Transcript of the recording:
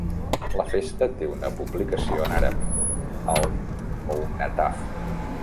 La festa té una publicació en àrab, "Al Mounataf".